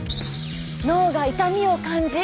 脳が痛みを感じ